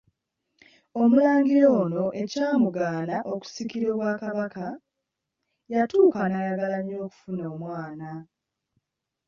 Omulangira ono ekyamugaana okusikira obwakabaka, yatuuka n'ayagala nnyo okufuna omwana.